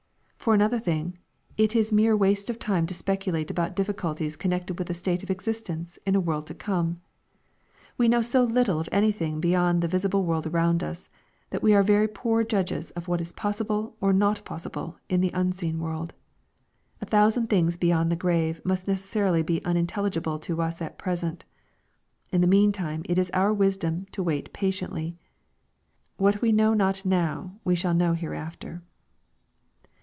For another thing, it is mere waste of time to speculate about diffi culties connected with a state of existence in a world to come. We know so little of anything beyond the visi ble world around us, that we are very poor judges of what is possible or not possible in the unseen world. A thousand things beyond the grave must necessarily be unintelligible to us at present. In the meantime it is our wisdom to wait patiently. What we know not now, we shall know hereafter.